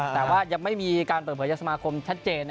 แต่ว่ายังไม่มีการเปิดเผยจากสมาคมชัดเจน